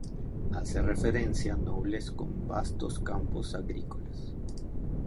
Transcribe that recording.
Hace referencia a nobles con vastos campos agrícolas.